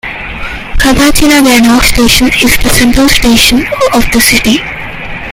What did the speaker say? Kawachinagano Station is the central station of the city.